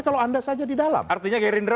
kalau anda saja di dalam artinya gerindra